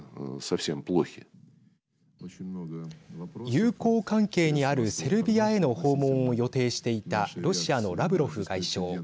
友好関係にあるセルビアへの訪問を予定していたロシアのラブロフ外相。